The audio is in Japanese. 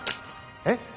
えっ？